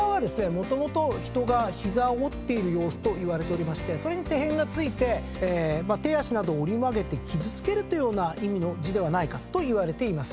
もともと人が膝を折っている様子といわれておりましてそれにてへんが付いて手足などを折り曲げて傷つけるというような意味の字ではないかといわれています。